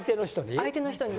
ああ相手の人に？